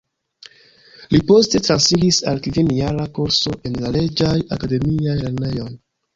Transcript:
Li poste transiris al kvin-jara kurso en la Reĝaj Akademiaj Lernejoj.